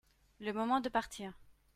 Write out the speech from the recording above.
Le moment de partir.